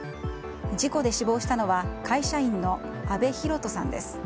事故で死亡したのは会社員の阿部大空さんです。